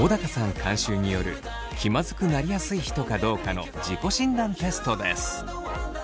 監修による気まずくなりやすい人かどうかの自己診断テストです。